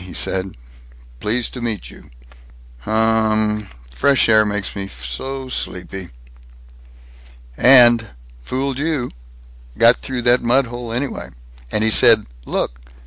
He said, 'Pleased to meet you.'" "Huuuuhhm! Fresh air makes me so sleepy." "And Fooled you! Got through that mudhole, anyway! And he said Look!